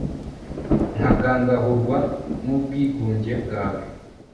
nkagangahurwa n'ubwigunge bwawe